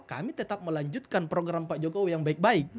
kami tetap melanjutkan program pak jokowi yang baik baik